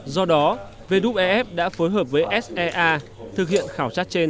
do đó vdup ef đã phối hợp với sea thực hiện khảo sát trên